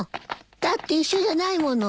だって一緒じゃないもの。